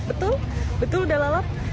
betul betul udah lalap